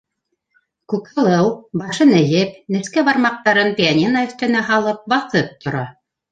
Күкһылыу башын эйеп, нескә бармаҡтарын пианино өҫтөнә һалып баҫып тора.